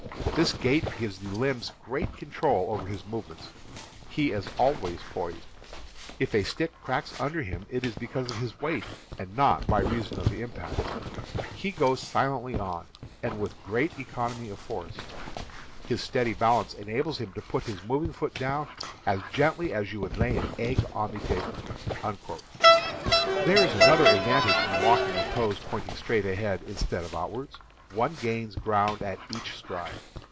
This gait gives the limbs great control over his movements. He is always poised. If a stick cracks under him it is because of his weight, and not by reason of the impact. He goes silently on, and with great economy of force. ... His steady balance enables him to put his moving foot down as gently as you would lay an egg on the table." There is another advantage in walking with toes pointing straight ahead instead of outward: one gains ground at each stride.